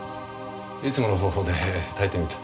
いつもの方法で炊いてみた。